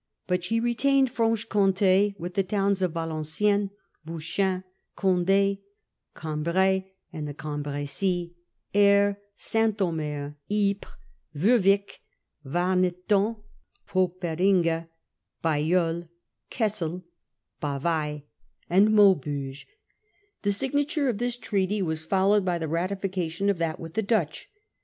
But she retained Franche Comte, with the towns of Valenciennes, Bouchain, Condc, Cambrai and the Cambrdsis, Aire, St. Omer, Ypres, Werwick, Warneton, Poperinge, Bailleul, Cassel, Bavai, and Maubeuge. The signature of this treaty was followed by the ratification of that with the Dutch.